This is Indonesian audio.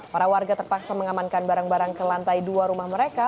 para warga terpaksa mengamankan barang barang ke lantai dua rumah mereka